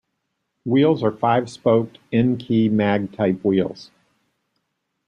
The wheels are five-spoke Enkei mag type wheels.